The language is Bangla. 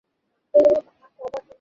এই বন্দরটি বুড়িগঙ্গা নদীর তীরে অবস্থিত।